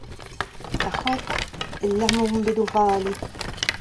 Ar c'hoad el lec'h ma oamp bet o vale.